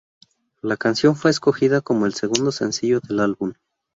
La canción fue escogida como el segundo sencillo del álbum.